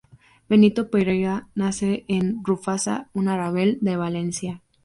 Benito Pereira nace en Ruzafa, un arrabal de Valencia.